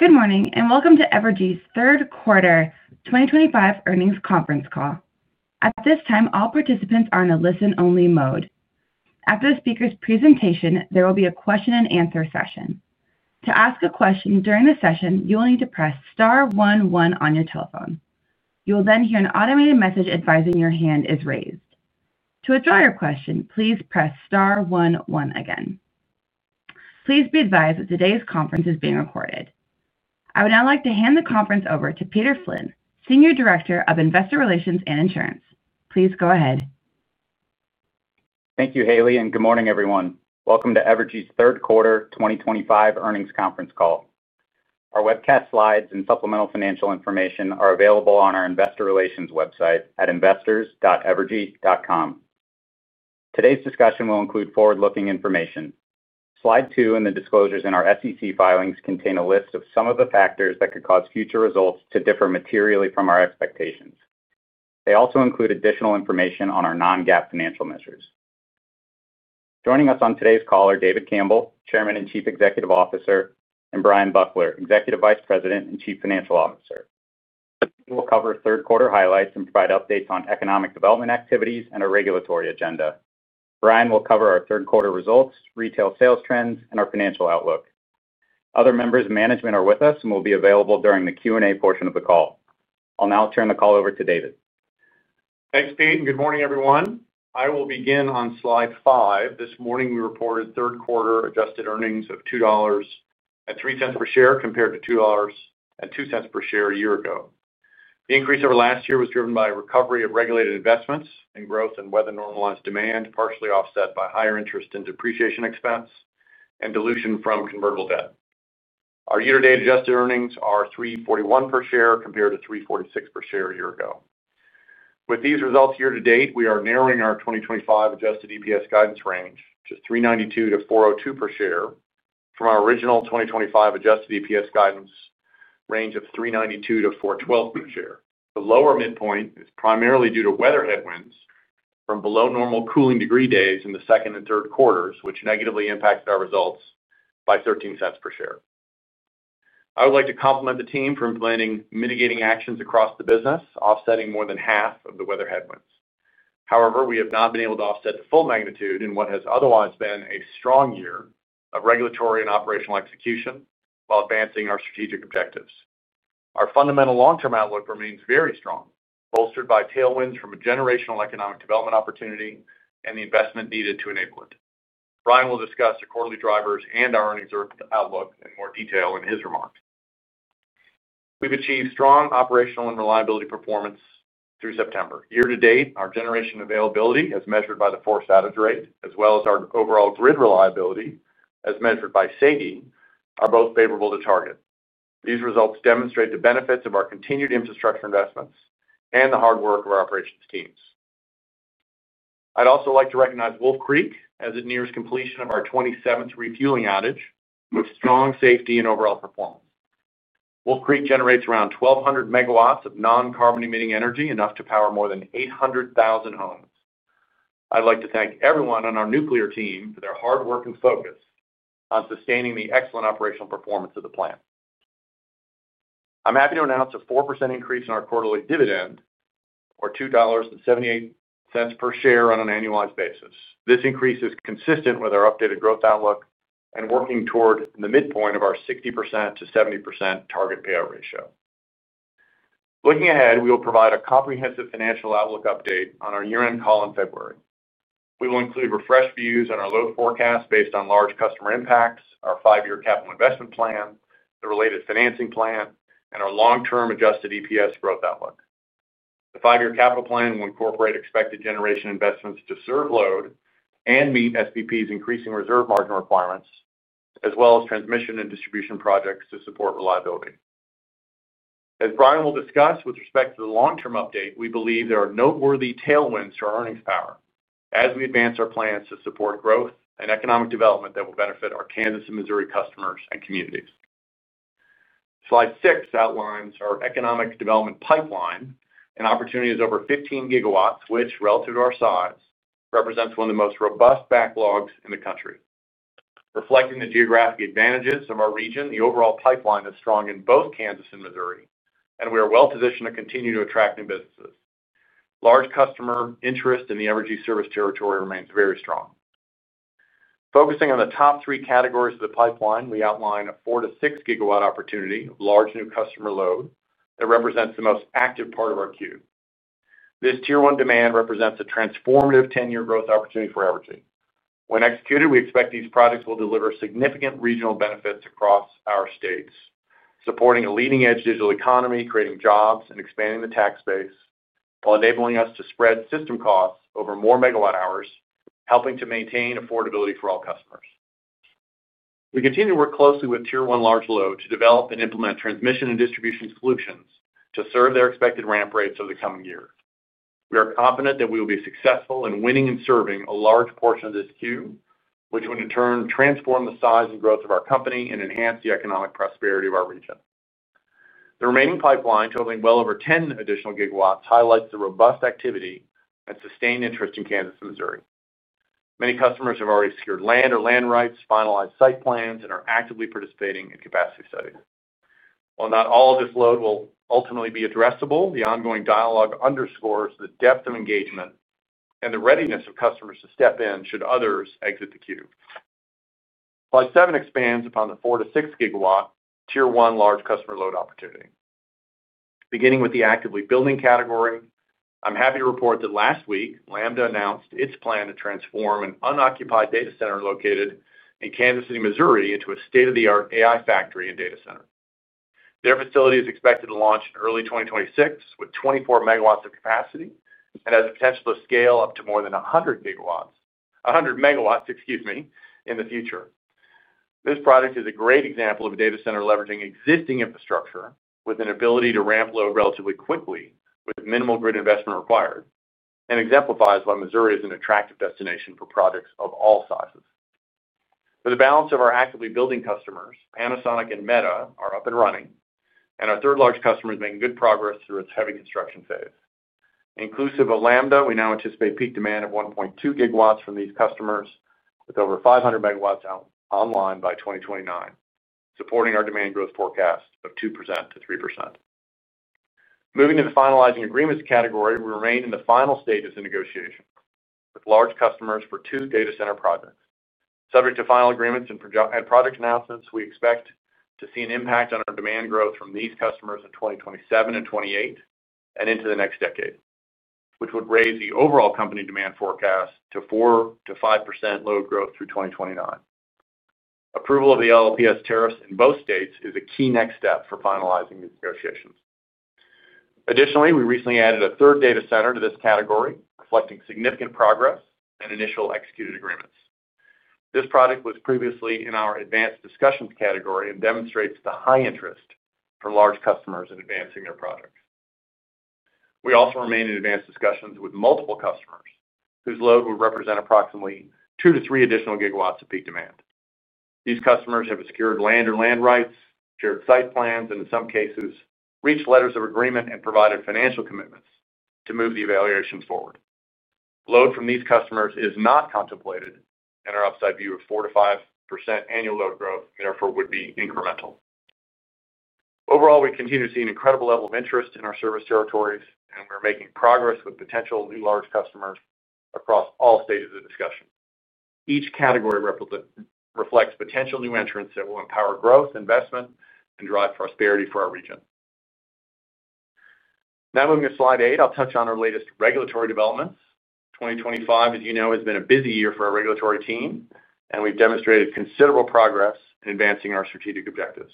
Good morning and welcome to Evergy's third quarter 2025 earnings conference call. At this time, all participants are in a listen-only mode. After the speaker's presentation, there will be a question and answer session. To ask a question during the session, you will need to press Star one one on your telephone. You will then hear an automated message advising your hand is raised. To withdraw your question, please press Star one one again. Please be advised that today's conference is being recorded. I would now like to hand the conference over to Peter Flynn, Senior Director of Investor Relations and Insurance. Please go ahead. Thank you, Haley, and good morning, everyone. Welcome to Evergy's third quarter 2025 earnings conference call. Our webcast slides and supplemental financial information are available on our investor relations website at investors.evergy.com. Today's discussion will include forward-looking information. Slide two and the disclosures in our SEC filings contain a list of some of the factors that could cause future results to differ materially from our expectations. They also include additional information on our non-GAAP financial measures. Joining us on today's call are David Campbell, Chairman and Chief Executive Officer, and Bryan Buckler, Executive Vice President and Chief Financial Officer. We'll cover third-quarter highlights and provide updates on economic development activities and our regulatory agenda. Bryan will cover our third-quarter results, retail sales trends, and our financial outlook. Other members of management are with us and will be available during the Q&A portion of the call. I'll now turn the call over to David. Thanks, Pete. Good morning, everyone. I will begin on Slide five. This morning, we reported third-quarter adjusted earnings of $2.03 per share compared to $2.02 per share a year ago. The increase over last year was driven by a recovery of regulated investments and growth and weather-normalized demand, partially offset by higher interest and depreciation expense and dilution from convertible debt. Our year-to-date adjusted earnings are $3.41 per share compared to $3.46 per share a year ago. With these results year-to-date, we are narrowing our 2025 adjusted EPS guidance range to $3.92-$4.02 per share from our original 2025 adjusted EPS guidance range of $3.92-$4.12 per share. The lower midpoint is primarily due to weather headwinds from below-normal cooling degree days in the second and third quarters, which negatively impacted our results by $0.13 per share. I would like to compliment the team for implementing mitigating actions across the business, offsetting more than half of the weather headwinds. However, we have not been able to offset the full magnitude in what has otherwise been a strong year of regulatory and operational execution while advancing our strategic objectives. Our fundamental long-term outlook remains very strong, bolstered by tailwinds from a generational economic development opportunity and the investment needed to enable it. Bryan will discuss the quarterly drivers and our earnings outlook in more detail in his remarks. We've achieved strong operational and reliability performance through September. Year-to-date, our generation availability, as measured by the force outage rate, as well as our overall grid reliability, as measured by SAIDI, are both favorable to target. These results demonstrate the benefits of our continued infrastructure investments and the hard work of our operations teams. I'd also like to recognize Wolf Creek as it nears completion of our 27th refueling outage with strong safety and overall performance. Wolf Creek generates around 1,200 MW of non-carbon emitting energy, enough to power more than 800,000 homes. I'd like to thank everyone on our nuclear team for their hard work and focus on sustaining the excellent operational performance of the plant. I'm happy to announce a 4% increase in our quarterly dividend, or $2.78 per share on an annualized basis. This increase is consistent with our updated growth outlook and working toward the midpoint of our 60%-70% target payout ratio. Looking ahead, we will provide a comprehensive financial outlook update on our year-end call in February. We will include refreshed views on our load forecast based on large customer impacts, our five-year capital investment plan, the related financing plan, and our long-term adjusted EPS growth outlook. The five-year capital plan will incorporate expected generation investments to serve load and meet SPP's increasing reserve margin requirements, as well as transmission and distribution projects to support reliability. As Bryan will discuss, with respect to the long-term update, we believe there are noteworthy tailwinds to our earnings power as we advance our plans to support growth and economic development that will benefit our Kansas and Missouri customers and communities. Slide six outlines our economic development pipeline and opportunities over 15 GW, which, relative to our size, represents one of the most robust backlogs in the country. Reflecting the geographic advantages of our region, the overall pipeline is strong in both Kansas and Missouri, and we are well-positioned to continue to attract new businesses. Large customer interest in the Evergy service territory remains very strong. Focusing on the top three categories of the pipeline, we outline a 4-6 GW opportunity of large new customer load that represents the most active part of our queue. This tier-one demand represents a transformative 10-year growth opportunity for Evergy. When executed, we expect these projects will deliver significant regional benefits across our states, supporting a leading-edge digital economy, creating jobs, and expanding the tax base while enabling us to spread system costs over more megawatt hours, helping to maintain affordability for all customers. We continue to work closely with tier-one large load to develop and implement transmission and distribution solutions to serve their expected ramp rates over the coming year. We are confident that we will be successful in winning and serving a large portion of this queue, which would in turn transform the size and growth of our company and enhance the economic prosperity of our region. The remaining pipeline, totaling well over 10 additional gigawatts, highlights the robust activity and sustained interest in Kansas and Missouri. Many customers have already secured land or land rights, finalized site plans, and are actively participating in capacity studies. While not all of this load will ultimately be addressable, the ongoing dialogue underscores the depth of engagement and the readiness of customers to step in should others exit the queue. Slide seven expands upon the 4-6 GW tier-one large customer load opportunity. Beginning with the actively building category, I'm happy to report that last week, Lambda announced its plan to transform an unoccupied data center located in Kansas City, Missouri, into a state-of-the-art AI factory and data center. Their facility is expected to launch in early 2026 with 24 MW of capacity and has the potential to scale up to more than 100 GW. 100 MW, excuse me, in the future. This project is a great example of a data center leveraging existing infrastructure with an ability to ramp load relatively quickly with minimal grid investment required and exemplifies why Missouri is an attractive destination for projects of all sizes. For the balance of our actively building customers, Panasonic and Meta are up and running, and our third large customer is making good progress through its heavy construction phase. Inclusive of Lambda, we now anticipate peak demand of 1.2 GW from these customers, with over 500 MW online by 2029, supporting our demand growth forecast of 2%-3%. Moving to the finalizing agreements category, we remain in the final stages of negotiation with large customers for two data center projects. Subject to final agreements and project announcements, we expect to see an impact on our demand growth from these customers in 2027 and 2028 and into the next decade, which would raise the overall company demand forecast to 4-5% load growth through 2029. Approval of the LLPS tariffs in both states is a key next step for finalizing these negotiations. Additionally, we recently added a third data center to this category, reflecting significant progress and initial executed agreements. This project was previously in our advanced discussions category and demonstrates the high interest from large customers in advancing their projects. We also remain in advanced discussions with multiple customers whose load would represent approximately 2-3 additional gigawatts of peak demand. These customers have secured land or land rights, shared site plans, and in some cases, reached letters of agreement and provided financial commitments to move the evaluation forward. Load from these customers is not contemplated in our upside view of 4-5% annual load growth and therefore would be incremental. Overall, we continue to see an incredible level of interest in our service territories, and we're making progress with potential new large customers across all stages of discussion. Each category reflects potential new entrants that will empower growth, investment, and drive prosperity for our region. Now, moving to Slide eight, I'll touch on our latest regulatory developments. 2025, as you know, has been a busy year for our regulatory team, and we've demonstrated considerable progress in advancing our strategic objectives.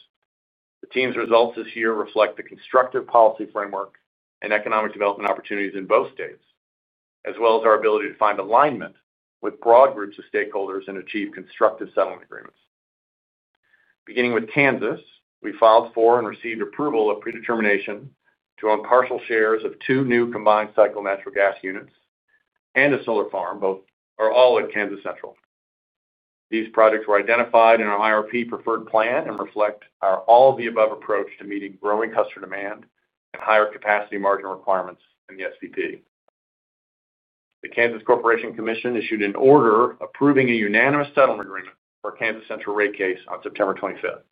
The team's results this year reflect the constructive policy framework and economic development opportunities in both states, as well as our ability to find alignment with broad groups of stakeholders and achieve constructive settlement agreements. Beginning with Kansas, we filed for and received approval of predetermination to own partial shares of two new combined cycle natural gas units and a solar farm, both are all at Kansas Central. These projects were identified in our IRP preferred plan and reflect our all-of-the-above approach to meeting growing customer demand and higher capacity margin requirements in the SPP. The Kansas Corporation Commission issued an order approving a unanimous settlement agreement for a Kansas Central rate case on September 25th.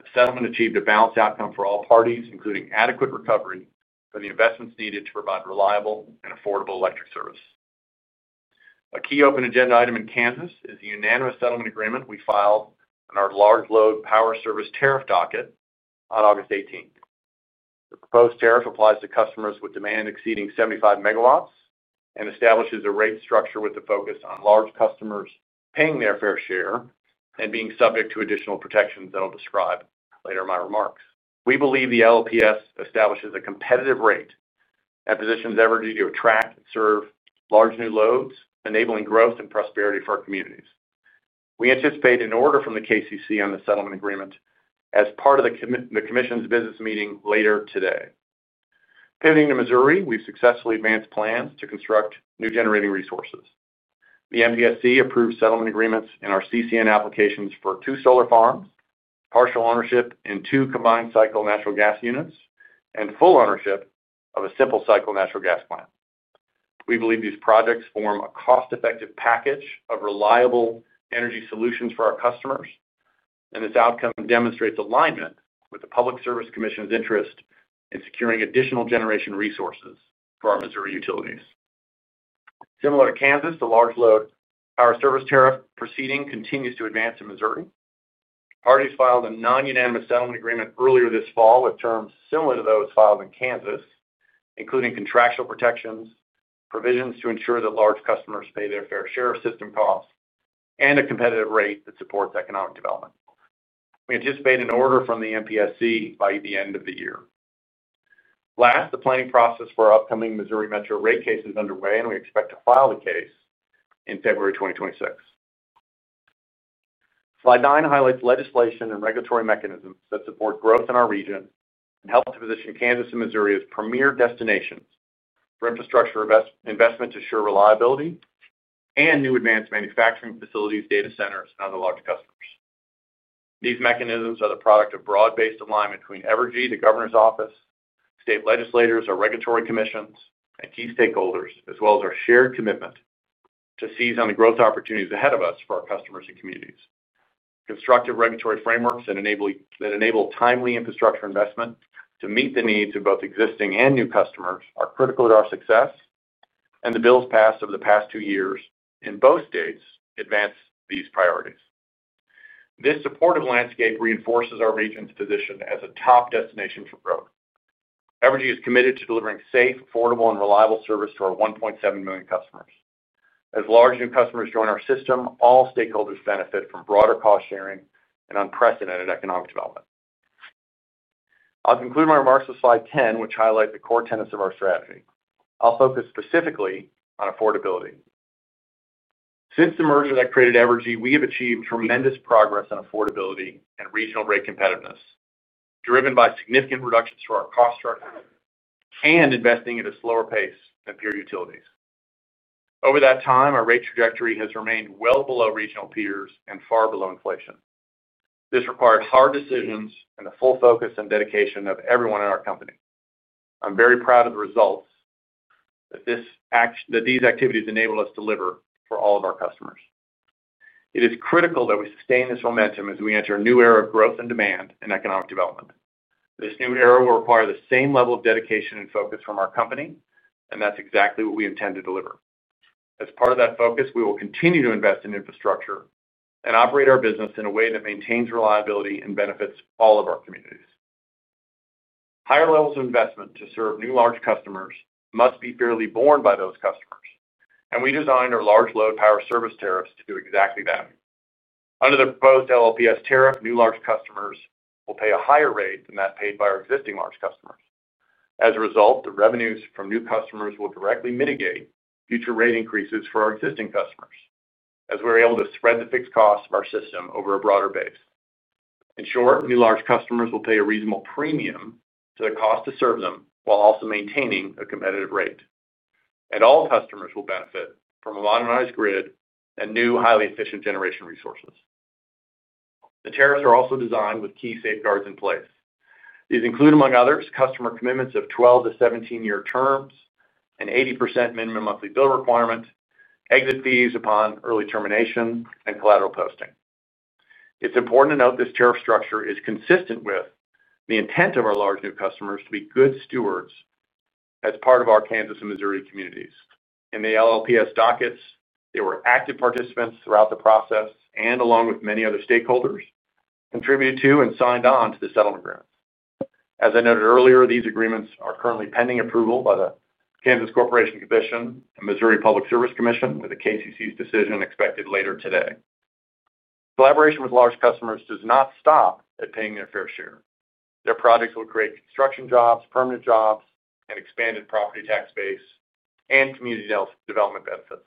The settlement achieved a balanced outcome for all parties, including adequate recovery for the investments needed to provide reliable and affordable electric service. A key open agenda item in Kansas is the unanimous settlement agreement we filed in our large load power service tariff docket on August 18th. The proposed tariff applies to customers with demand exceeding 75 MW and establishes a rate structure with the focus on large customers paying their fair share and being subject to additional protections that I'll describe later in my remarks. We believe the LLPS establishes a competitive rate and positions Evergy to attract and serve large new loads, enabling growth and prosperity for our communities. We anticipate an order from the KCC on the settlement agreement as part of the Commission's business meeting later today. Pivoting to Missouri, we've successfully advanced plans to construct new generating resources. The MPSC approved settlement agreements in our CCN applications for two solar farms, partial ownership in two combined cycle natural gas units, and full ownership of a simple cycle natural gas plant. We believe these projects form a cost-effective package of reliable energy solutions for our customers, and this outcome demonstrates alignment with the Public Service Commission's interest in securing additional generation resources for our Missouri utilities. Similar to Kansas, the large load power service tariff proceeding continues to advance in Missouri. Parties filed a non-unanimous settlement agreement earlier this fall with terms similar to those filed in Kansas, including contractual protections, provisions to ensure that large customers pay their fair share of system costs, and a competitive rate that supports economic development. We anticipate an order from the MPSC by the end of the year. Last, the planning process for our upcoming Missouri Metro rate case is underway, and we expect to file the case in February 2026. Slide nine highlights legislation and regulatory mechanisms that support growth in our region and help to position Kansas and Missouri as premier destinations for infrastructure investment to assure reliability and new advanced manufacturing facilities, data centers, and other large customers. These mechanisms are the product of broad-based alignment between Evergy, the Governor's Office, state legislators, our regulatory commissions, and key stakeholders, as well as our shared commitment to seize on the growth opportunities ahead of us for our customers and communities. Constructive regulatory frameworks that enable timely infrastructure investment to meet the needs of both existing and new customers are critical to our success, and the bills passed over the past two years in both states advance these priorities. This supportive landscape reinforces our region's position as a top destination for growth. Evergy is committed to delivering safe, affordable, and reliable service to our 1.7 million customers. As large new customers join our system, all stakeholders benefit from broader cost-sharing and unprecedented economic development. I'll conclude my remarks with Slide 10, which highlights the core tenets of our strategy. I'll focus specifically on affordability. Since the merger that created Evergy, we have achieved tremendous progress on affordability and regional rate competitiveness, driven by significant reductions for our cost structure and investing at a slower pace than peer utilities. Over that time, our rate trajectory has remained well below regional peers and far below inflation. This required hard decisions and the full focus and dedication of everyone in our company. I'm very proud of the results that these activities enable us to deliver for all of our customers. It is critical that we sustain this momentum as we enter a new era of growth and demand and economic development. This new era will require the same level of dedication and focus from our company, and that's exactly what we intend to deliver. As part of that focus, we will continue to invest in infrastructure and operate our business in a way that maintains reliability and benefits all of our communities. Higher levels of investment to serve new large customers must be fairly borne by those customers, and we designed our large load power service tariffs to do exactly that. Under the proposed LLPS tariff, new large customers will pay a higher rate than that paid by our existing large customers. As a result, the revenues from new customers will directly mitigate future rate increases for our existing customers, as we're able to spread the fixed costs of our system over a broader base. In short, new large customers will pay a reasonable premium to the cost to serve them while also maintaining a competitive rate. All customers will benefit from a modernized grid and new highly efficient generation resources. The tariffs are also designed with key safeguards in place. These include, among others, customer commitments of 12-17 year terms and 80% minimum monthly bill requirement, exit fees upon early termination, and collateral posting. It's important to note this tariff structure is consistent with the intent of our large new customers to be good stewards as part of our Kansas and Missouri communities. In the LLPS dockets, they were active participants throughout the process and, along with many other stakeholders, contributed to and signed on to the settlement grants. As I noted earlier, these agreements are currently pending approval by the Kansas Corporation Commission and Missouri Public Service Commission, with the KCC's decision expected later today. Collaboration with large customers does not stop at paying their fair share. Their projects will create construction jobs, permanent jobs, an expanded property tax base, and community development benefits.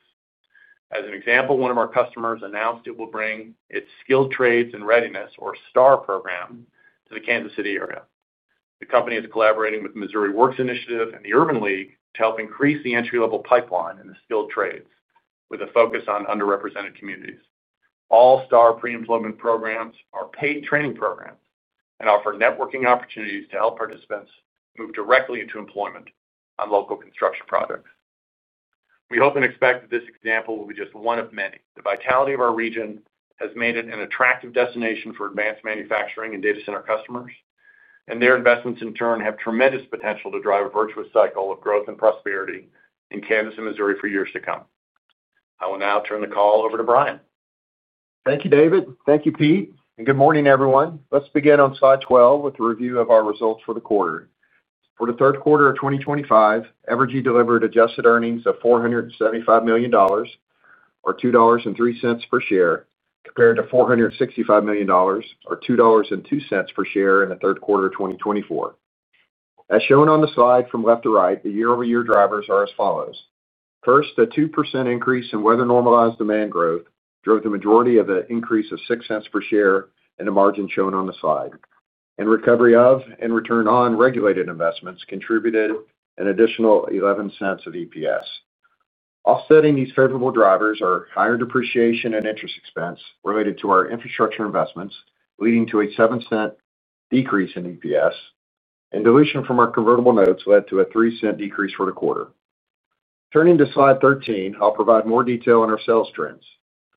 As an example, one of our customers announced it will bring its Skilled Trades and Readiness, or STAR, program to the Kansas City area. The company is collaborating with the Missouri Works Initiative and the Urban League to help increase the entry-level pipeline in the skilled trades, with a focus on underrepresented communities. All STAR pre-employment programs are paid training programs and offer networking opportunities to help participants move directly into employment on local construction projects. We hope and expect that this example will be just one of many. The vitality of our region has made it an attractive destination for advanced manufacturing and data center customers, and their investments, in turn, have tremendous potential to drive a virtuous cycle of growth and prosperity in Kansas and Missouri for years to come. I will now turn the call over to Bryan. Thank you, David. Thank you, Pete. Good morning, everyone. Let's begin on Slide 12 with a review of our results for the quarter. For the third quarter of 2025, Evergy delivered adjusted earnings of $475 million, or $2.03 per share, compared to $465 million, or $2.02 per share, in the third quarter of 2024. As shown on the slide from left to right, the year-over-year drivers are as follows. First, a 2% increase in weather-normalized demand growth drove the majority of the increase of $0.06 per share in the margin shown on the slide. Recovery of and return on regulated investments contributed an additional $0.11 of EPS. Offsetting these favorable drivers are higher depreciation and interest expense related to our infrastructure investments, leading to a $0.07 decrease in EPS. Dilution from our convertible notes led to a $0.03 decrease for the quarter. Turning to Slide 13, I'll provide more detail on our sales trends.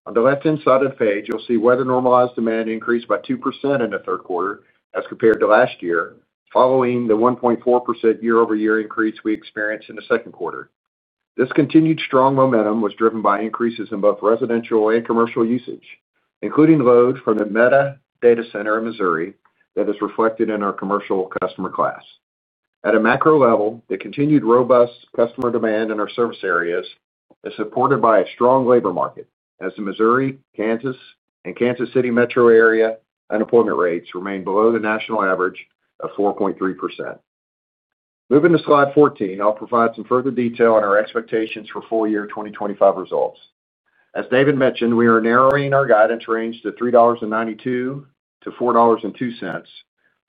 On the left-hand side of the page, you'll see weather-normalized demand increased by 2% in the third quarter as compared to last year, following the 1.4% year-over-year increase we experienced in the second quarter. This continued strong momentum was driven by increases in both residential and commercial usage, including load from the Meta data center in Missouri that is reflected in our commercial customer class. At a macro level, the continued robust customer demand in our service areas is supported by a strong labor market, as the Missouri, Kansas, and Kansas City metro area unemployment rates remain below the national average of 4.3%. Moving to Slide 14, I'll provide some further detail on our expectations for full-year 2025 results. As David mentioned, we are narrowing our guidance range to $3.92-$4.02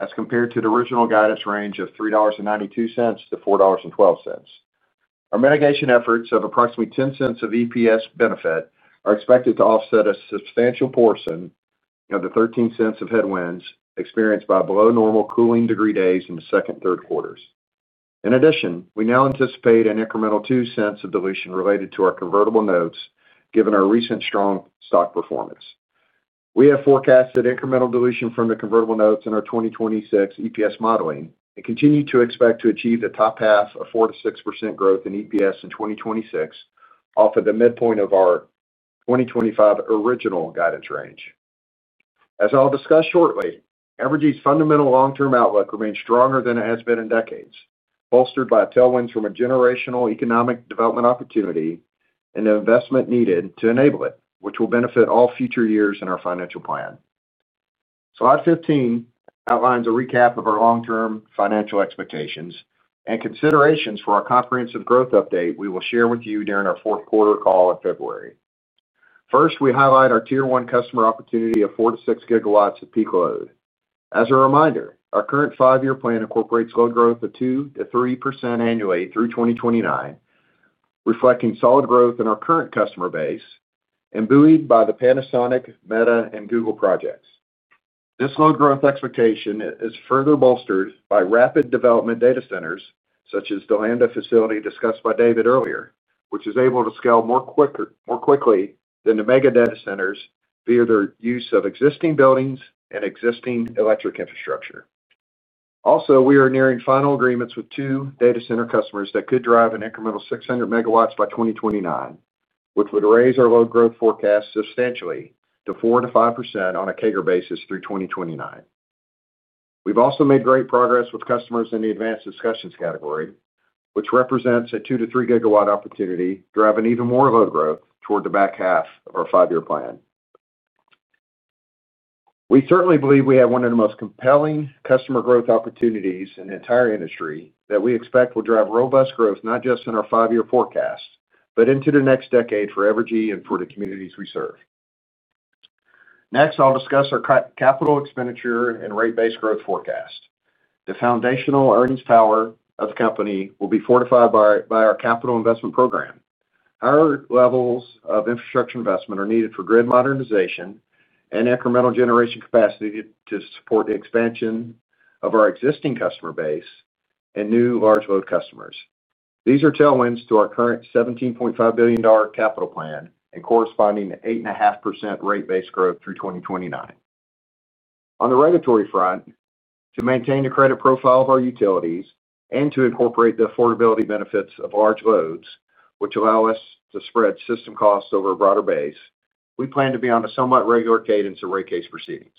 as compared to the original guidance range of $3.92-$4.12. Our mitigation efforts of approximately $0.10 of EPS benefit are expected to offset a substantial portion of the $0.13 of headwinds experienced by below-normal cooling degree days in the second and third quarters. In addition, we now anticipate an incremental $0.02 of dilution related to our convertible notes, given our recent strong stock performance. We have forecasted incremental dilution from the convertible notes in our 2026 EPS modeling and continue to expect to achieve the top half of 4%-6% growth in EPS in 2026, off of the midpoint of our 2025 original guidance range. As I'll discuss shortly, Evergy's fundamental long-term outlook remains stronger than it has been in decades, bolstered by tailwinds from a generational economic development opportunity and the investment needed to enable it, which will benefit all future years in our financial plan. Slide 15 outlines a recap of our long-term financial expectations and considerations for our comprehensive growth update we will share with you during our fourth quarter call in February. First, we highlight our tier-one customer opportunity of 4-6 GW of peak load. As a reminder, our current five-year plan incorporates load growth of 2-3% annually through 2029. Reflecting solid growth in our current customer base, imbued by the Panasonic, Meta, and Google projects. This load growth expectation is further bolstered by rapid development data centers, such as the Lambda facility discussed by David earlier, which is able to scale more quickly than the mega data centers via the use of existing buildings and existing electric infrastructure. Also, we are nearing final agreements with two data center customers that could drive an incremental 600 MW by 2029, which would raise our load growth forecast substantially to 4-5% on a CAGR basis through 2029. We've also made great progress with customers in the advanced discussions category, which represents a 2-3 GW opportunity driving even more load growth toward the back half of our five-year plan. We certainly believe we have one of the most compelling customer growth opportunities in the entire industry that we expect will drive robust growth not just in our five-year forecast, but into the next decade for Evergy and for the communities we serve. Next, I'll discuss our capital expenditure and rate-based growth forecast. The foundational earnings power of the company will be fortified by our capital investment program. Higher levels of infrastructure investment are needed for grid modernization and incremental generation capacity to support the expansion of our existing customer base and new large load customers. These are tailwinds to our current $17.5 billion capital plan and corresponding to 8.5% rate-based growth through 2029. On the regulatory front, to maintain the credit profile of our utilities and to incorporate the affordability benefits of large loads, which allow us to spread system costs over a broader base, we plan to be on a somewhat regular cadence of rate case proceedings.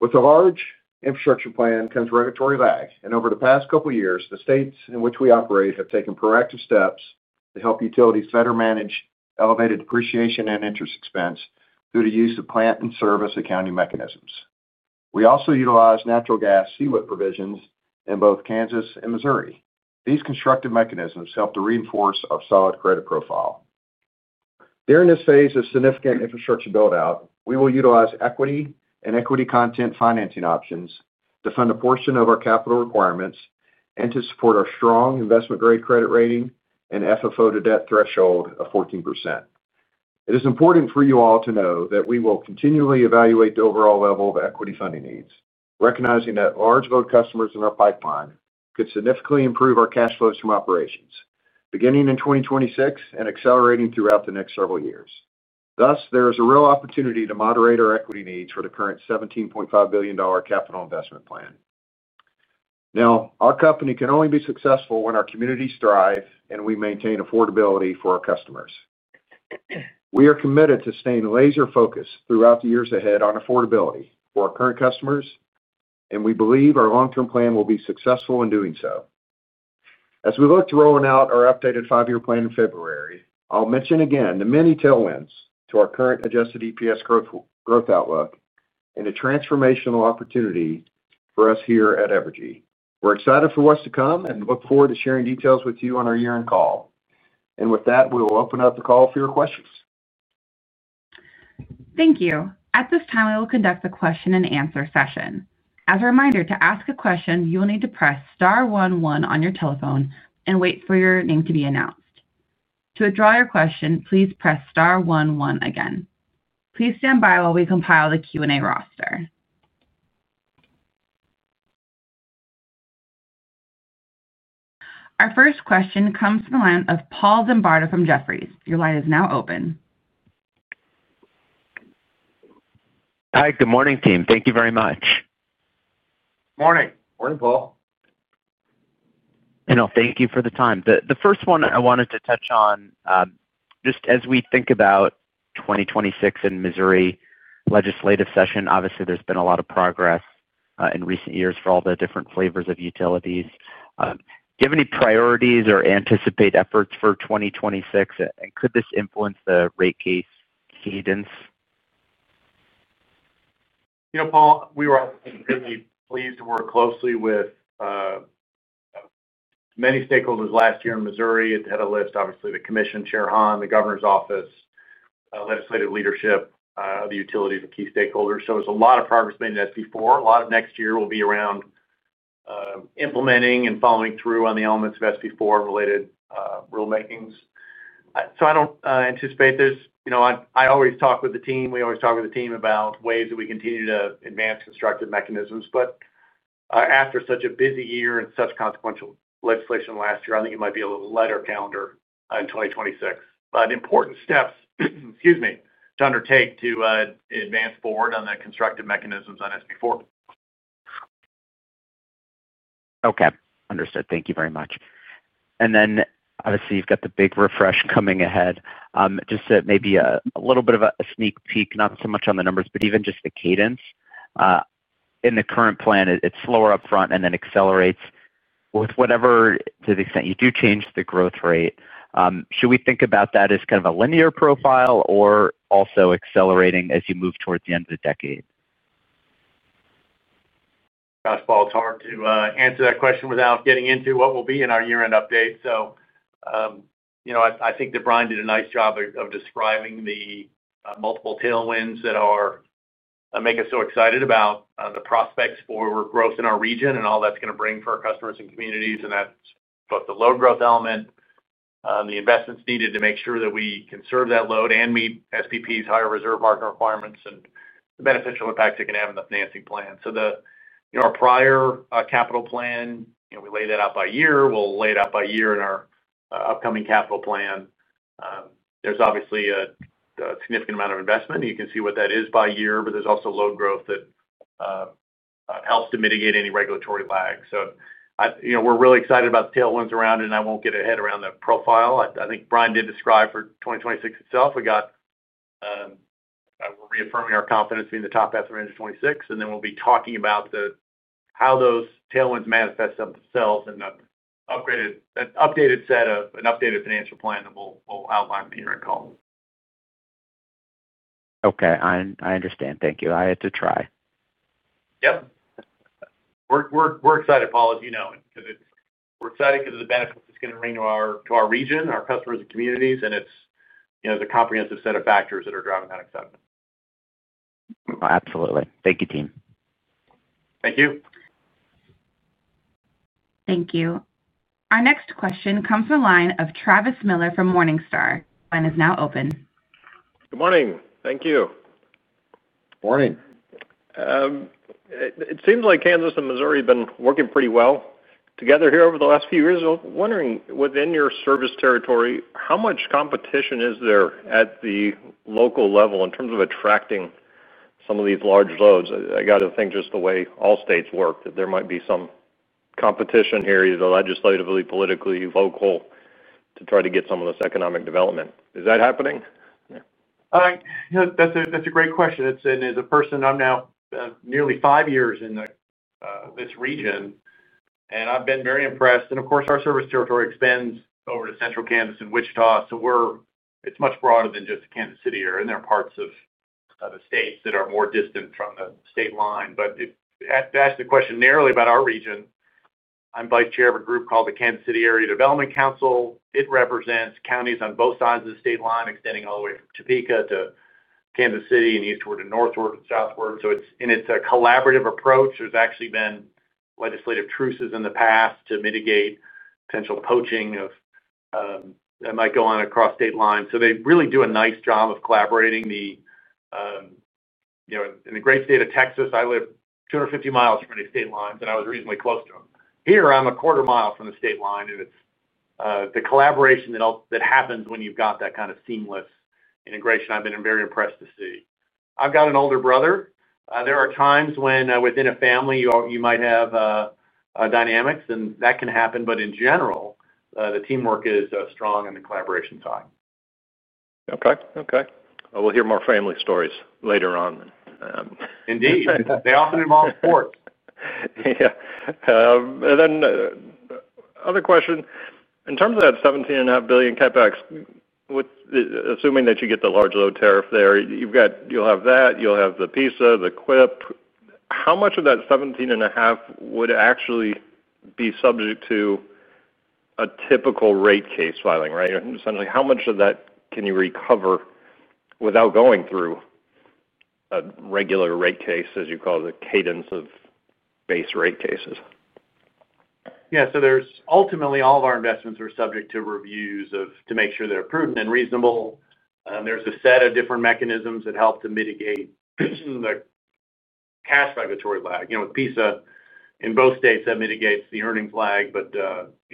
With a large infrastructure plan comes regulatory lag. Over the past couple of years, the states in which we operate have taken proactive steps to help utilities better manage elevated depreciation and interest expense through the use of plant in service accounting mechanisms. We also utilize natural gas CWIP provisions in both Kansas and Missouri. These constructive mechanisms help to reinforce our solid credit profile. During this phase of significant infrastructure buildout, we will utilize equity and equity content financing options to fund a portion of our capital requirements and to support our strong investment-grade credit rating and FFO to debt threshold of 14%. It is important for you all to know that we will continually evaluate the overall level of equity funding needs, recognizing that large load customers in our pipeline could significantly improve our cash flows from operations, beginning in 2026 and accelerating throughout the next several years. Thus, there is a real opportunity to moderate our equity needs for the current $17.5 billion capital investment plan. Now, our company can only be successful when our communities thrive and we maintain affordability for our customers. We are committed to staying laser-focused throughout the years ahead on affordability for our current customers, and we believe our long-term plan will be successful in doing so. As we look to rolling out our updated five-year plan in February, I'll mention again the many tailwinds to our current adjusted EPS growth outlook and a transformational opportunity for us here at Evergy. We're excited for what's to come and look forward to sharing details with you on our year-end call. With that, we will open up the call for your questions. Thank you. At this time, I will conduct the question and answer session. As a reminder, to ask a question, you will need to press Star one one on your telephone and wait for your name to be announced. To withdraw your question, please press Star one one again. Please stand by while we compile the Q&A roster. Our first question comes from the line of Paul Zimbardo from Jefferies. Your line is now open. Hi. Good morning, team. Thank you very much. Morning. Morning, Paul. Thank you for the time. The first one I wanted to touch on. Just as we think about. 2026 in Missouri legislative session, obviously, there's been a lot of progress in recent years for all the different flavors of utilities. Do you have any priorities or anticipate efforts for 2026? Could this influence the rate case cadence? Paul, we were really pleased to work closely with many stakeholders last year in Missouri. It had a list, obviously, the commission, Chair Hahn, the governor's office, legislative leadership, the utilities, and key stakeholders. There's a lot of progress made in SB4. A lot of next year will be around implementing and following through on the elements of SB4-related rulemakings. I don't anticipate there's—I always talk with the team, we always talk with the team about ways that we continue to advance constructive mechanisms. After such a busy year and such consequential legislation last year, I think it might be a little lighter calendar in 2026. But important steps, excuse me, to undertake to advance forward on the constructive mechanisms on SB4. Okay. Understood. Thank you very much. And then, obviously, you have got the big refresh coming ahead. Just maybe a little bit of a sneak peek, not so much on the numbers, but even just the cadence. In the current plan, it is slower upfront and then accelerates with whatever, to the extent you do change the growth rate. Should we think about that as kind of a linear profile or also accelerating as you move towards the end of the decade? Gosh, Paul, it is hard to answer that question without getting into what will be in our year-end update. So. I think that Bryan did a nice job of describing the multiple tailwinds that. Make us so excited about the prospects for growth in our region and all that's going to bring for our customers and communities. That is both the load growth element, the investments needed to make sure that we can serve that load and meet SPP's higher reserve market requirements, and the beneficial impacts it can have in the financing plan. Our prior capital plan, we lay that out by year. We will lay it out by year in our upcoming capital plan. There is obviously a significant amount of investment. You can see what that is by year, but there is also load growth that helps to mitigate any regulatory lag. We are really excited about the tailwinds around it, and I will not get ahead around the profile. I think Bryan did describe for 2026 itself. We are reaffirming our confidence being the top half of 2026. We will be talking about. How those tailwinds manifest themselves in an updated set of an updated financial plan that we'll outline in the year-end call. Okay. I understand. Thank you. I had to try. Yep. We're excited, Paul, as you know, because we're excited because of the benefits it's going to bring to our region, our customers, and communities. And it's the comprehensive set of factors that are driving that excitement. Absolutely.Thank you, team. Thank you. Thank you. Our next question comes from the line of Travis Miller from Morningstar. Line is now open. Good morning. Thank you. Morning. It seems like Kansas and Missouri have been working pretty well together here over the last few years. Wondering, within your service territory, how much competition is there at the local level in terms of attracting some of these large loads? I got to think just the way all states work, that there might be some competition here, either legislatively, politically, local, to try to get some of this economic development. Is that happening? That's a great question. As a person, I'm now nearly five years in this region. I've been very impressed. Of course, our service territory extends over to central Kansas and Wichita, so it's much broader than just the Kansas City area. There are parts of the states that are more distant from the state line. To ask the question narrowly about our region, I'm vice chair of a group called the Kansas City Area Development Council. It represents counties on both sides of the state line, extending all the way from Topeka to Kansas City and eastward and northward and southward. In its collaborative approach, there's actually been legislative truces in the past to mitigate potential poaching that might go on across state lines. They really do a nice job of collaborating. In the great state of Texas, I live 250 mi from the state lines, and I was reasonably close to them. Here, I'm a 1/4 mile from the state line. It's the collaboration that happens when you've got that kind of seamless integration I've been very impressed to see. I've got an older brother. There are times when, within a family, you might have dynamics, and that can happen. In general, the teamwork is strong and the collaboration's high. Okay. We'll hear more family stories later on. Indeed. They often involve sports. Yeah. Another question. In terms of that $17.5 billion CapEx, assuming that you get the large load tariff there, you'll have that. You'll have the PISA, the CWIP. How much of that $17.5 billion would actually be subject to a typical rate case filing, right? Essentially, how much of that can you recover without going through a regular rate case, as you call it, the cadence of base rate cases? Yeah. Ultimately, all of our investments are subject to reviews to make sure they're prudent and reasonable. There's a set of different mechanisms that help to mitigate the cash regulatory lag. With PISA, in both states, that mitigates the earnings lag.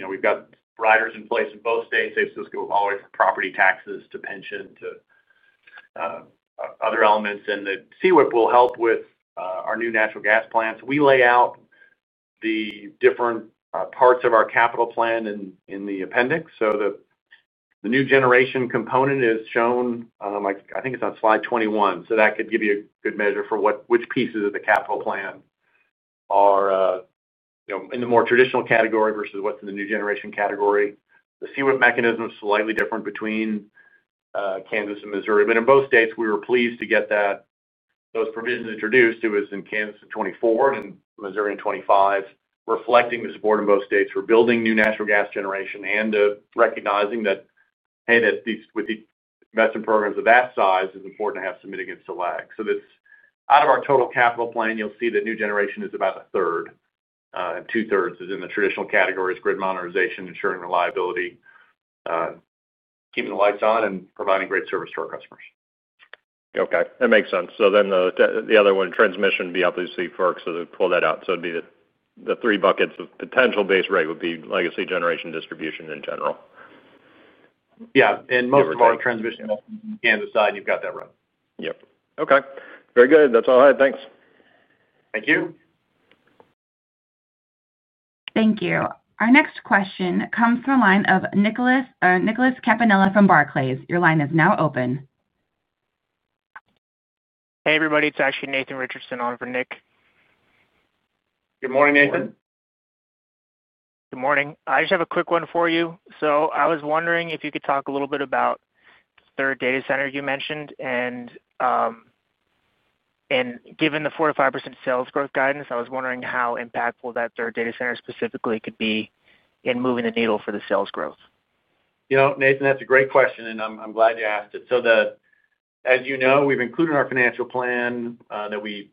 We've got riders in place in both states. They've just gone all the way from property taxes to pension to other elements. The CWIP will help with our new natural gas plants. We lay out. The different parts of our capital plan in the appendix. The new generation component is shown. I think it's on slide 21. That could give you a good measure for which pieces of the capital plan are in the more traditional category versus what's in the new generation category. The CWIP mechanism is slightly different between Kansas and Missouri. In both states, we were pleased to get those provisions introduced. It was in Kansas in 2024 and Missouri in 2025, reflecting the support in both states for building new natural gas generation and recognizing that with the investment programs of that size, it's important to have some mitigative lag. Out of our total capital plan, you'll see that new generation is about a third, and 2/3 is in the traditional categories: grid modernization, ensuring reliability, keeping the lights on, and providing great service to our customers. Okay. That makes sense. The other one, transmission, obviously, folks that pull that out. It would be the three buckets of potential base rate would be legacy generation, distribution, in general. Yeah. Most of our transmission investments in Kansas side, you have that run. Yep. Okay. Very good. That's all I had. Thanks. Thank you. Thank you. Our next question comes from the line of Nicholas Camppanella from Barclays. Your line is now open. Hey, everybody. It's actually Nathan Richardson on for Nick. Good morning, Nathan. Good morning. I just have a quick one for you. I was wondering if you could talk a little bit about the third data center you mentioned. Given the 4-5% sales growth guidance, I was wondering how impactful that third data center specifically could be in moving the needle for the sales growth. Nathan, that's a great question, and I'm glad you asked it. As you know, we've included in our financial plan that we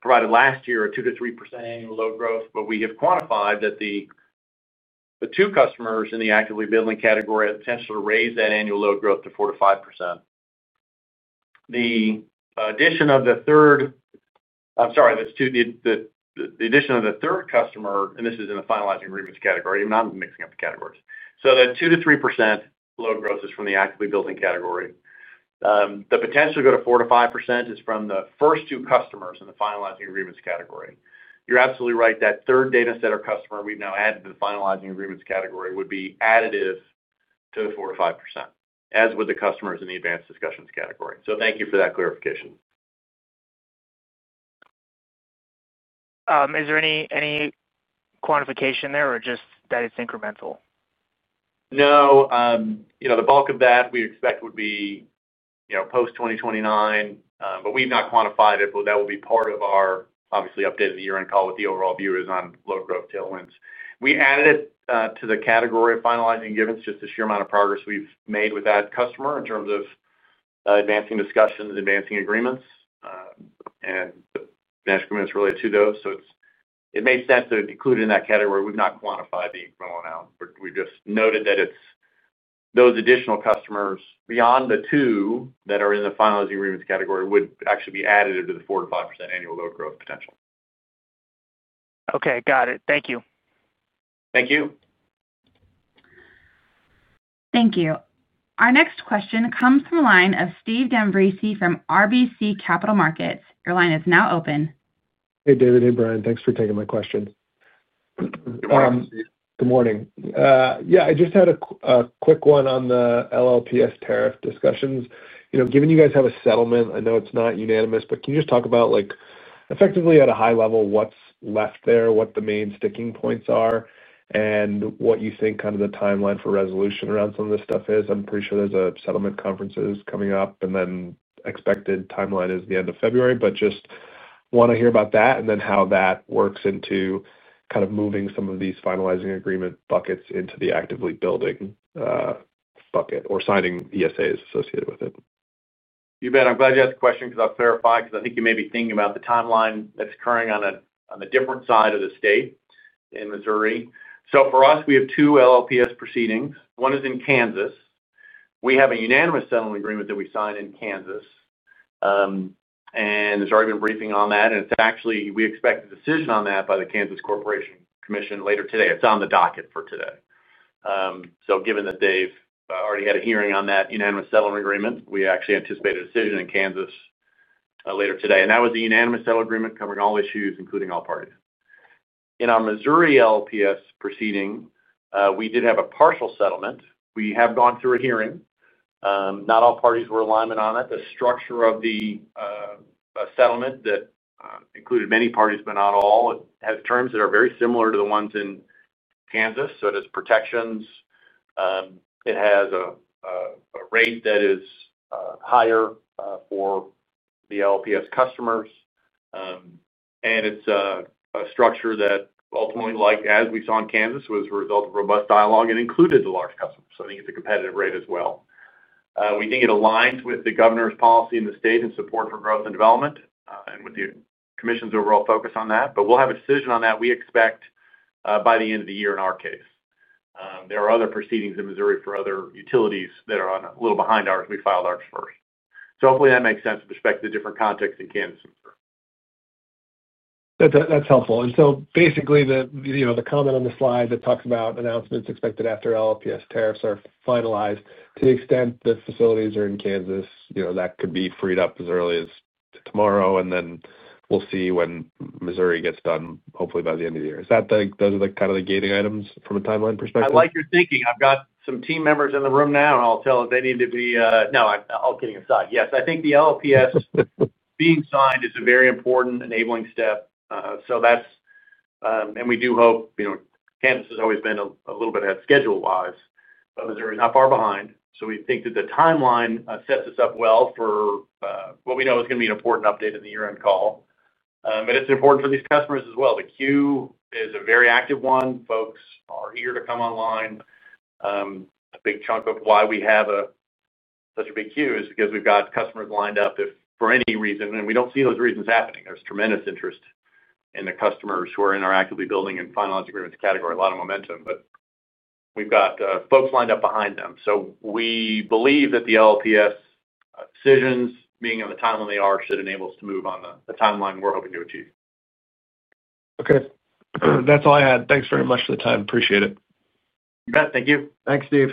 provided last year a 2-3% annual load growth. We have quantified that the two customers in the actively building category have potential to raise that annual load growth to 4-5%. The addition of the third—I'm sorry. The addition of the third customer—and this is in the finalizing agreements category. I'm not mixing up the categories. That 2-3% load growth is from the actively building category. The potential to go to 4-5% is from the first two customers in the finalizing agreements category. You're absolutely right. That third data center customer we've now added to the finalizing agreements category would be additive to the 4-5% as with the customers in the advanced discussions category. Thank you for that clarification. Is there any quantification there or just that it's incremental? No. The bulk of that we expect would be post-2029. We've not quantified it. That will be part of our, obviously, updated year-end call with the overall view on load growth tailwinds. We added it to the category of finalizing agreements just to share the amount of progress we've made with that customer in terms of advancing discussions, advancing agreements, and the financial agreements related to those. It makes sense to include it in that category. We've not quantified the incremental amount. But we've just noted that it's those additional customers beyond the two that are in the finalizing agreements category would actually be additive to the 4-5% annual load growth potential. Okay. Got it. Thank you. Thank you. Thank you. Our next question comes from the line of Steve D'Ambrisi from RBC Capital Markets. Your line is now open. Hey, David. Hey, Bryan. Thanks for taking my questions. Good morning. Yeah. I just had a quick one on the LLPS tariff discussions. Given you guys have a settlement, I know it's not unanimous, but can you just talk about, effectively at a high level, what's left there, what the main sticking points are, and what you think kind of the timeline for resolution around some of this stuff is? I'm pretty sure there's a settlement conference coming up, and then expected timeline is the end of February. Just want to hear about that and then how that works into kind of moving some of these finalizing agreement buckets into the actively building bucket or signing ESAs associated with it. You bet. I'm glad you asked the question because I'll clarify because I think you may be thinking about the timeline that's occurring on the different side of the state in Missouri. For us, we have two LLPS proceedings. One is in Kansas. We have a unanimous settlement agreement that we signed in Kansas. There's already been briefing on that, and we expect a decision on that by the Kansas Corporation Commission later today. It's on the docket for today. Given that they've already had a hearing on that unanimous settlement agreement, we actually anticipate a decision in Kansas later today. That was a unanimous settlement agreement covering all issues, including all parties. In our Missouri LLPS proceeding, we did have a partial settlement. We have gone through a hearing. Not all parties were in alignment on it. The structure of the settlement that included many parties, but not all, has terms that are very similar to the ones in Kansas. It has protections. It has a rate that is higher for the LLPS customers. It is a structure that ultimately, as we saw in Kansas, was a result of robust dialogue and included the large customers. I think it is a competitive rate as well. We think it aligns with the governor's policy in the state and support for growth and development and with the commission's overall focus on that. We will have a decision on that we expect by the end of the year in our case. There are other proceedings in Missouri for other utilities that are a little behind ours. We filed ours first. Hopefully, that makes sense with respect to the different contexts in Kansas and Missouri. That's helpful. Basically, the comment on the slide that talks about announcements expected after LLPS tariffs are finalized, to the extent the facilities are in Kansas, that could be freed up as early as tomorrow. We will see when Missouri gets done, hopefully, by the end of the year. Is that those are kind of the gating items from a timeline perspective? I like your thinking. I've got some team members in the room now, and I'll tell if they need to be—no, all kidding aside. Yes. I think the LLPS being signed is a very important enabling step. We do hope Kansas has always been a little bit ahead schedule-wise. Missouri is not far behind. We think that the timeline sets us up well for what we know is going to be an important update in the year-end call. It is important for these customers as well. The queue is a very active one. Folks are eager to come online. A big chunk of why we have such a big queue is because we've got customers lined up for any reason. We don't see those reasons happening. There is tremendous interest in the customers who are in our actively building and finalizing agreements category. A lot of momentum. We have got folks lined up behind them. We believe that the LLPS decisions, being on the time when they are, should enable us to move on the timeline we are hoping to achieve. Okay. That is all I had. Thanks very much for the time. Appreciate it. You bet. Thank you. Thanks, Steve.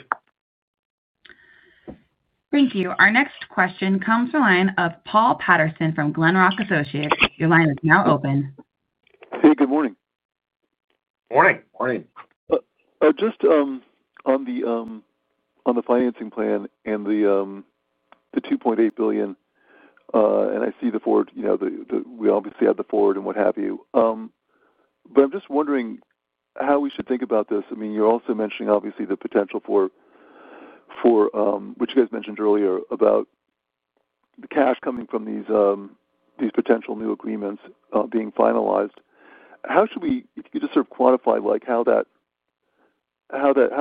Thank you. Our next question comes from the line of Paul Patterson from Glenrock Associates. Your line is now open. Hey, good morning. Morning. Morning. Just on the financing plan and the $2.8 billion. I see the forward. We obviously have the forward and what have you. I am just wondering how we should think about this. I mean, you are also mentioning, obviously, the potential for what you guys mentioned earlier about the cash coming from these potential new agreements being finalized. If you could just sort of quantify how.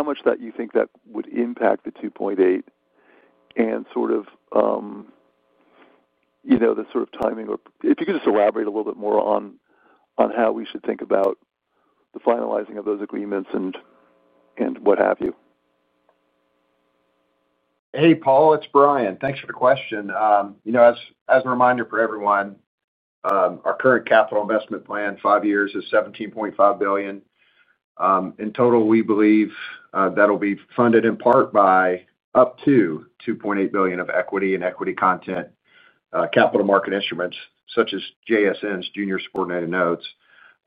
Much that you think that would impact the $2.8 billion. And sort of. The sort of timing or if you could just elaborate a little bit more on. How we should think about. The finalizing of those agreements and. What have you. Hey, Paul. It's Bryan. Thanks for the question. As a reminder for everyone. Our current capital investment plan, five years, is $17.5 billion. In total, we believe that'll be funded in part by up to $2.8 billion of equity and equity content capital market instruments such as JSN's, Junior Subordinated Notes.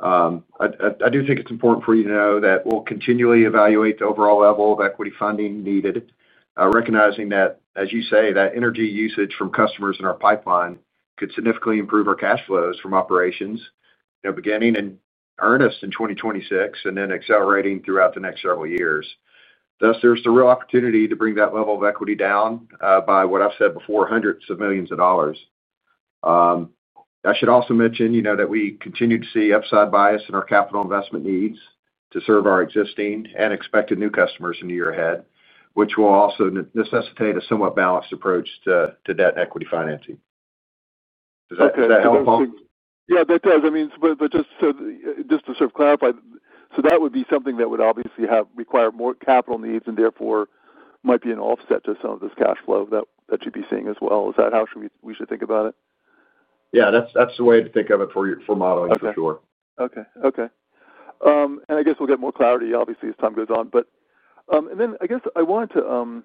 I do think it's important for you to know that we'll continually evaluate the overall level of equity funding needed, recognizing that, as you say, that energy usage from customers in our pipeline could significantly improve our cash flows from operations beginning in earnest in 2026 and then accelerating throughout the next several years. Thus, there's the real opportunity to bring that level of equity down by, what I've said before, hundreds of millions of dollars. I should also mention that we continue to see upside bias in our capital investment needs to serve our existing and expected new customers in the year ahead, which will also necessitate a somewhat balanced approach to debt and equity financing. Does that help, Paul? Yeah. That does. I mean, but just to sort of clarify, so that would be something that would obviously require more capital needs and therefore might be an offset to some of this cash flow that you'd be seeing as well. Is that how we should think about it? Yeah. That's the way to think of it for modeling, for sure. Okay. Okay. Okay. I guess we'll get more clarity, obviously, as time goes on. I guess I wanted to, on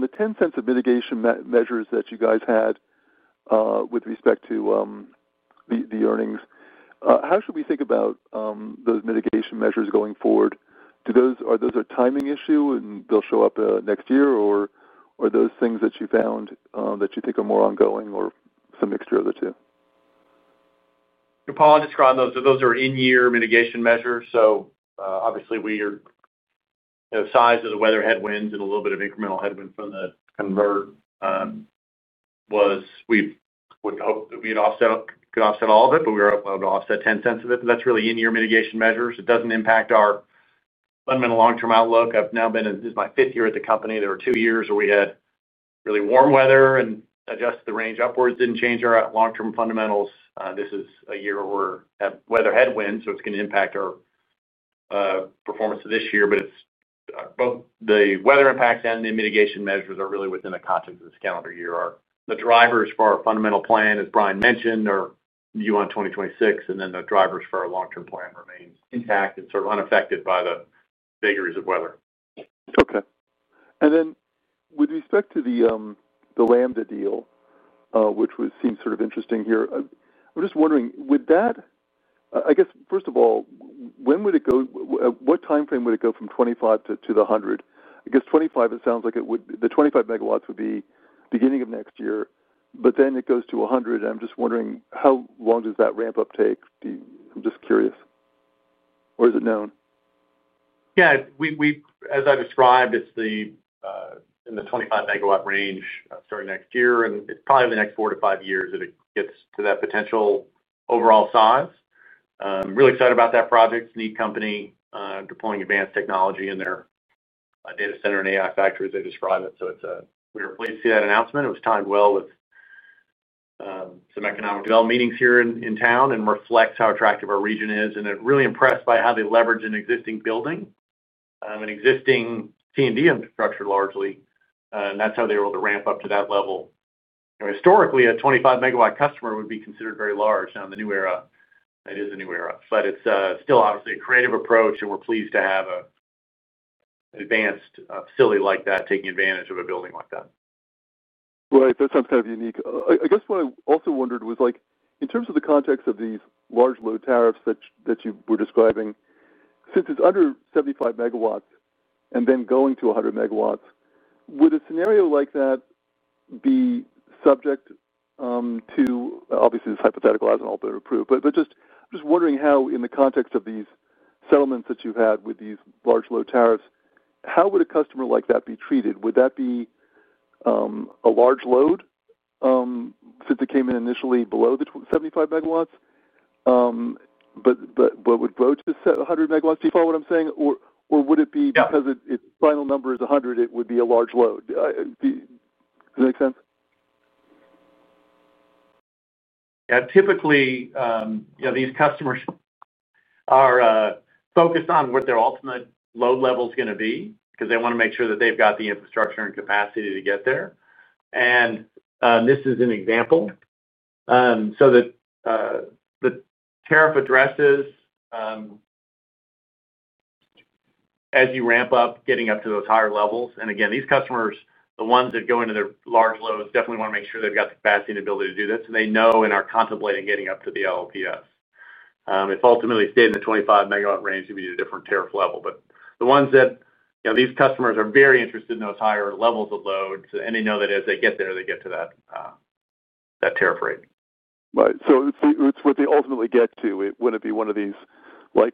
the $0.10 of mitigation measures that you guys had with respect to the earnings, how should we think about those mitigation measures going forward? Are those a timing issue and they'll show up next year, or are those things that you found that you think are more ongoing or some mixture of the two? Paul, I'll describe those. Those are in-year mitigation measures. Obviously, size of the weather headwinds and a little bit of incremental headwind from the convert was we would hope that we could offset all of it, but we were allowed to offset $0.10 of it. That is really in-year mitigation measures. It does not impact our fundamental long-term outlook. This is my fifth year at the company. There were two years where we had really warm weather and adjusted the range upwards. Didn't change our long-term fundamentals. This is a year where we have weather headwinds, so it's going to impact our performance this year. Both the weather impacts and the mitigation measures are really within the context of this calendar year. The drivers for our fundamental plan, as Bryan mentioned, are you on 2026, and then the drivers for our long-term plan remain intact and sort of unaffected by the figures of weather. Okay. With respect to the Lambda deal, which seems sort of interesting here, I'm just wondering, would that—I guess, first of all, when would it go? What timeframe would it go from 25 to the 100? I guess 25, it sounds like it would—the 25 MW would be beginning of next year. Then it goes to 100. I'm just wondering how long does that ramp-up take? I'm just curious. Or is it known? Yeah. As I described, it's in the 25 MW range starting next year. And it's probably the next four to five years that it gets to that potential overall size. I'm really excited about that project. It's a neat company deploying advanced technology in their data center and AI factory, as they describe it. We were pleased to see that announcement. It was timed well with some economic development meetings here in town and reflects how attractive our region is. I'm really impressed by how they leverage an existing building, an existing T&D infrastructure largely. That's how they were able to ramp up to that level. Historically, a 25 MW customer would be considered very large. Now, in the new era, it is a new era. It's still obviously a creative approach, and we're pleased to have an. Advanced facility like that taking advantage of a building like that. Right. That sounds kind of unique. I guess what I also wondered was, in terms of the context of these large load tariffs that you were describing, since it's under 75 MW and then going to 100 MW, would a scenario like that be subject to—obviously, this is hypothetical. I'll better prove. But I'm just wondering how, in the context of these settlements that you've had with these large load tariffs, how would a customer like that be treated? Would that be a large load since it came in initially below the 75 MW but would grow to 100 MW? Do you follow what I'm saying? Or would it be because its final number is 100, it would be a large load? Does that make sense? Yeah. Typically, these customers. Are focused on what their ultimate load level is going to be because they want to make sure that they've got the infrastructure and capacity to get there. This is an example. The tariff addresses, as you ramp up, getting up to those higher levels. These customers, the ones that go into their large loads, definitely want to make sure they've got the capacity and ability to do this. They know and are contemplating getting up to the LLPS. If ultimately stayed in the 25 MW range, it would be a different tariff level. The ones that—these customers are very interested in those higher levels of loads. They know that as they get there, they get to that tariff rate. Right. It is what they ultimately get to. Wouldn't it be one of these— Okay.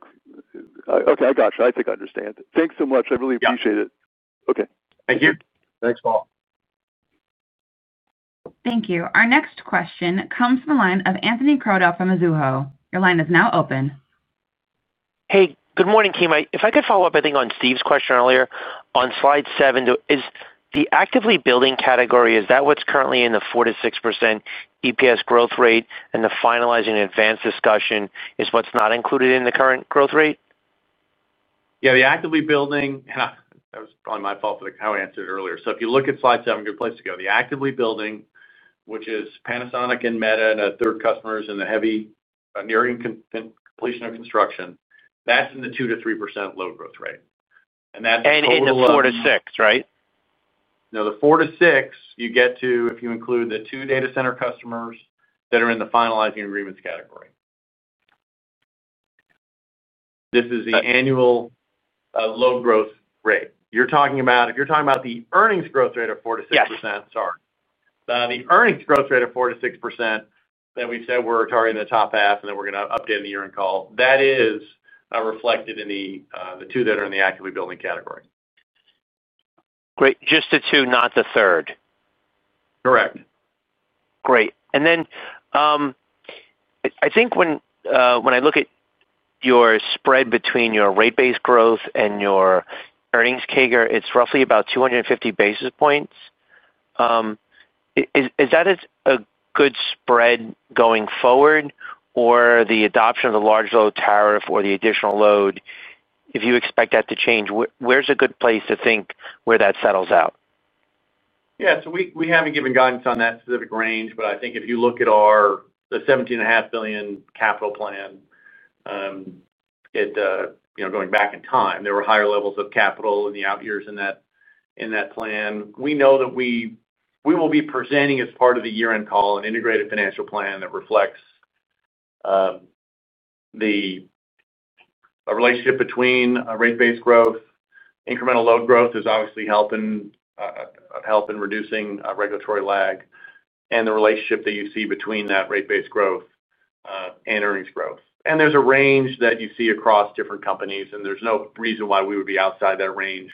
I gotcha. I think I understand. Thanks so much. I really appreciate it. Okay. Thank you. Thanks, Paul. Thank you. Our next question comes from the line of Anthony Crowdell from Mizuho. Your line is now open. Hey. Good morning, [Team]. If I could follow up, I think, on Steve's question earlier. On slide seven, is the actively building category, is that what's currently in the 4%-6% EPS growth rate, and the finalizing advanced discussion is what's not included in the current growth rate? Yeah. The actively building—that was probably my fault for how I answered it earlier. If you look at slide seven, good place to go. The actively building, which is Panasonic and Meta and third customers and the heavy nearing completion of construction, that's in the 2-3% load growth rate. And that's—and it's 4%-6%, right? No. The 4%-6%, you get to if you include the two data center customers that are in the finalizing agreements category. This is the annual load growth rate. If you're talking about the earnings growth rate of 4%-6%, sorry. The earnings growth rate of 4%-6% that we said we're targeting the top half and that we're going to update in the year-end call, that is reflected in the two that are in the actively building category. Great. Just the two, not the third. Correct. Great. I think when I look at your spread between your rate-based growth and your earnings CAGR, it's roughly about 250 basis points. Is that a good spread going forward? Or the adoption of the large load tariff or the additional load, if you expect that to change, where's a good place to think where that settles out? Yeah. We haven't given guidance on that specific range. I think if you look at the $17.5 billion capital plan, going back in time, there were higher levels of capital in the out years in that plan. We know that we will be presenting as part of the year-end call an integrated financial plan that reflects the relationship between rate-based growth. Incremental load growth is obviously helping, reducing regulatory lag and the relationship that you see between that rate-based growth and earnings growth. There's a range that you see across different companies, and there's no reason why we would be outside that range.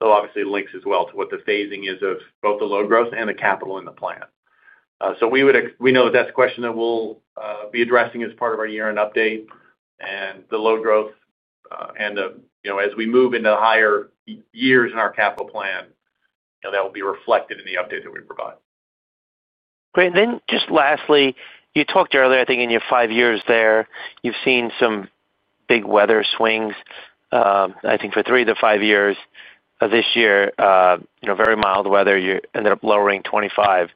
Though obviously, it links as well to what the phasing is of both the load growth and the capital in the plan. We know that that is a question that we will be addressing as part of our year-end update. The load growth, as we move into higher years in our capital plan, will be reflected in the update that we provide. Great. Lastly, you talked earlier, I think, in your five years there, you have seen some big weather swings. I think for three of the five years of this year, very mild weather, you ended up lowering 2025.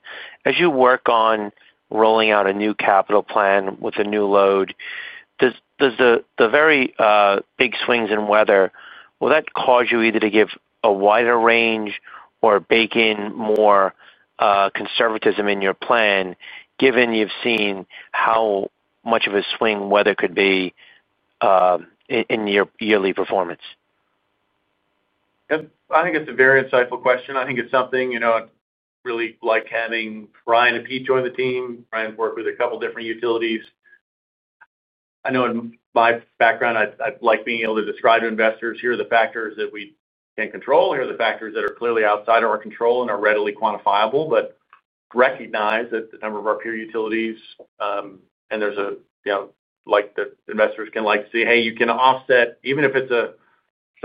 As you work on rolling out a new capital plan with a new load, does the very big swings in weather, will that cause you either to give a wider range or bake in more. Conservatism in your plan, given you've seen how much of a swing weather could be in your yearly performance? I think it's a very insightful question. I think it's something I'd really like having Bryan and Pete join the team. Bryan's worked with a couple of different utilities. I know in my background, I'd like being able to describe to investors, "Here are the factors that we can control. Here are the factors that are clearly outside of our control and are readily quantifiable." But recognize that a number of our peer utilities, and there's, like, that investors can like to see, "Hey, you can offset, even if it's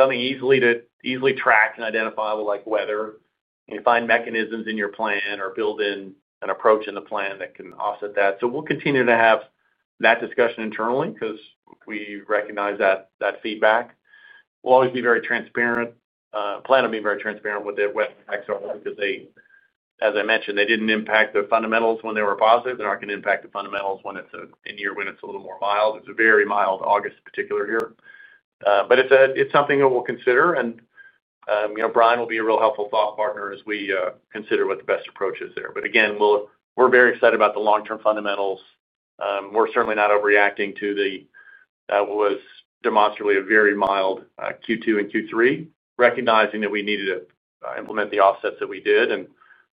something easily tracked and identifiable like weather, and find mechanisms in your plan or build in an approach in the plan that can offset that." We'll continue to have that discussion internally because we recognize that feedback. We'll always be very transparent. Plan on being very transparent with what facts are because, as I mentioned, they didn't impact the fundamentals when they were positive. They're not going to impact the fundamentals in a year when it's a little more mild. It's a very mild August, particular year. It's something that we'll consider. Bryan will be a real helpful thought partner as we consider what the best approach is there. Again, we're very excited about the long-term fundamentals. We're certainly not overreacting to the fact that it was demonstrably a very mild Q2 and Q3, recognizing that we needed to implement the offsets that we did.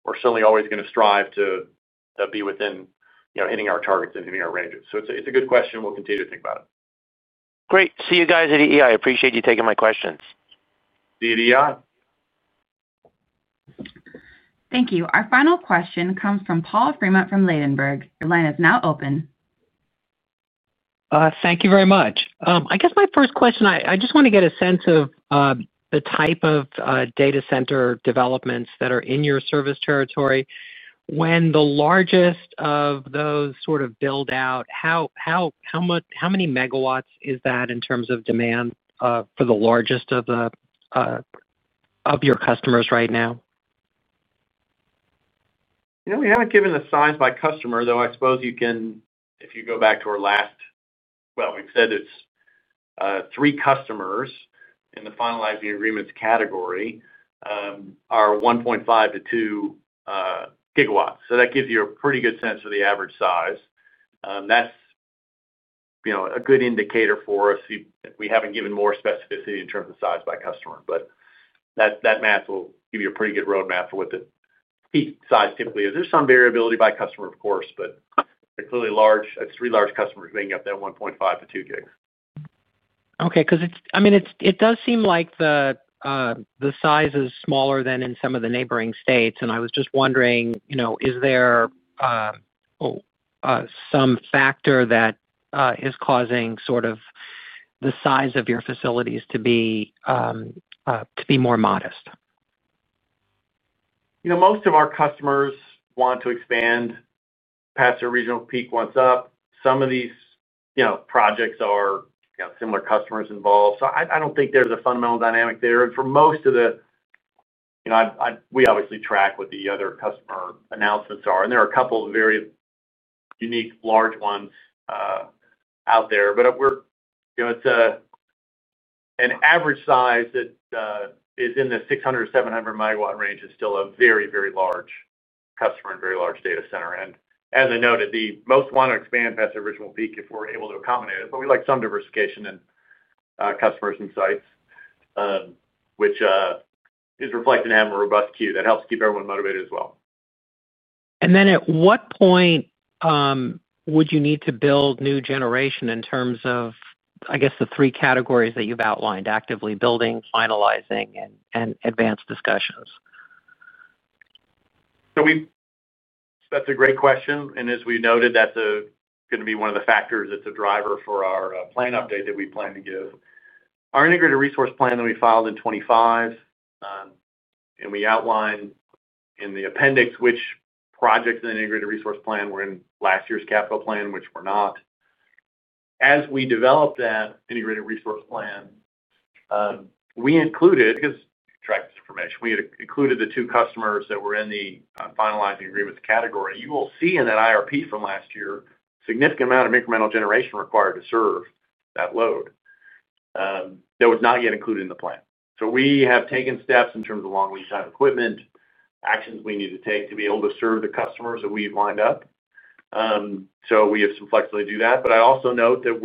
We're certainly always going to strive to be within hitting our targets and hitting our ranges. It's a good question. We'll continue to think about it. Great. See you guys at EEI. I appreciate you taking my questions. See you at EEI. Thank you. Our final question comes from Paul Freeman from Leidenberg. Line is now open. Thank you very much. I guess my first question, I just want to get a sense of the type of data center developments that are in your service territory. When the largest of those sort of build out, how many megawatts is that in terms of demand for the largest of your customers right now? We haven't given a size by customer, though I suppose you can, if you go back to our last— We've said it's three customers in the finalizing agreements category are 1.5-2 GW. That gives you a pretty good sense of the average size. That's a good indicator for us. We haven't given more specificity in terms of size by customer. That math will give you a pretty good roadmap for what the peak size typically is. There's some variability by customer, of course, but clearly three large customers being up there at 1.5-2 GW. Okay. I mean, it does seem like the size is smaller than in some of the neighboring states. I was just wondering, is there some factor that is causing sort of the size of your facilities to be more modest? Most of our customers want to expand past their regional peak once up. Some of these projects are similar customers involved. I don't think there's a fundamental dynamic there. For most of the—we obviously track what the other customer announcements are. There are a couple of very unique large ones out there. But it's. An average size that is in the 600-700 MW range is still a very, very large customer and very large data center. As I noted, most want to expand past their original peak if we are able to accommodate it. We like some diversification in customers and sites, which is reflected in having a robust queue. That helps keep everyone motivated as well. At what point would you need to build new generation in terms of, I guess, the three categories that you have outlined: actively building, finalizing, and advanced discussions? That is a great question. As we noted, that is going to be one of the factors that is a driver for our plan update that we plan to give. Our integrated resource plan that we filed in 2025. We outlined in the appendix which projects in the integrated resource plan were in last year's capital plan, which were not. As we developed that integrated resource plan, we included—because you track this information—we included the two customers that were in the finalizing agreements category. You will see in that IRP from last year a significant amount of incremental generation required to serve that load. That was not yet included in the plan. We have taken steps in terms of long lead time equipment, actions we need to take to be able to serve the customers that we've lined up. We have some flexibility to do that. I also note that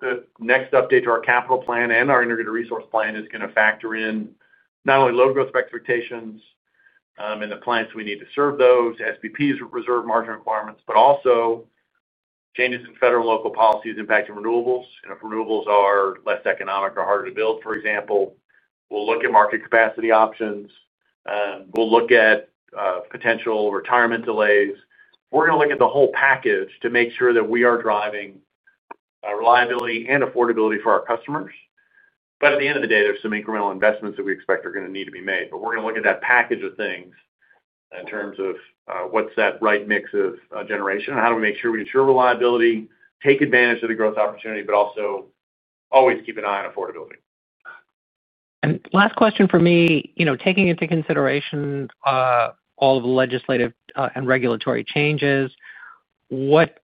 the next update to our capital plan and our integrated resource plan is going to factor in not only load growth expectations. The plans we need to serve those, SPPs reserve margin requirements, but also changes in federal and local policies impacting renewables. If renewables are less economic or harder to build, for example, we'll look at market capacity options. We'll look at potential retirement delays. We're going to look at the whole package to make sure that we are driving reliability and affordability for our customers. At the end of the day, there's some incremental investments that we expect are going to need to be made. We're going to look at that package of things in terms of what's that right mix of generation. How do we make sure we ensure reliability, take advantage of the growth opportunity, but also always keep an eye on affordability? Last question for me, taking into consideration all of the legislative and regulatory changes. What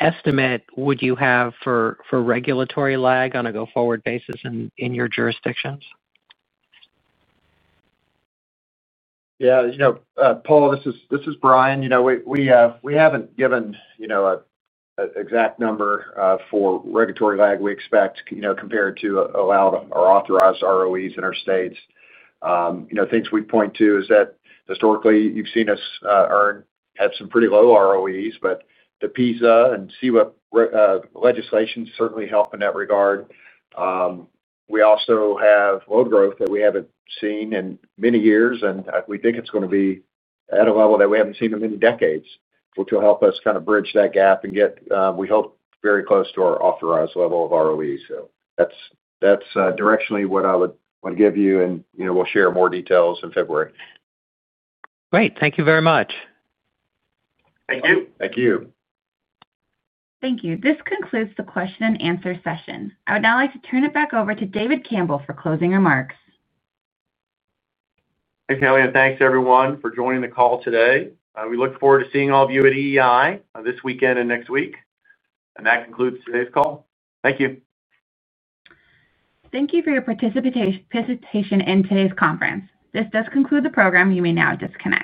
estimate would you have for regulatory lag on a go-forward basis in your jurisdictions? Yeah. Paul, this is Bryan. We haven't given an exact number for regulatory lag we expect compared to allowed or authorized ROEs in our states. Things we point to is that historically, you've seen us earn—had some pretty low ROEs, but the PISA and CWIP legislation certainly helped in that regard. We also have load growth that we haven't seen in many years. We think it's going to be at a level that we haven't seen in many decades, which will help us kind of bridge that gap and get—we hope—very close to our authorized level of ROEs. That's directionally what I would give you. We'll share more details in February. Great. Thank you very much. Thank you. Thank you. Thank you. This concludes the question and answer session. I would now like to turn it back over to David Campbell for closing remarks. Hey, Kelly. And thanks, everyone, for joining the call today. We look forward to seeing all of you at EEI this weekend and next week. That concludes today's call. Thank you. Thank you for your participation in today's conference. This does conclude the program. You may now disconnect.